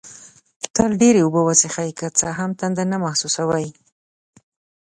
تل ډېري اوبه وڅېښئ، که څه هم تنده نه محسوسوئ